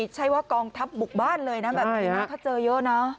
ใช้ว่ากองทัพบุกบ้านเลยนะแบบนี้นะถ้าเจอเยอะนะ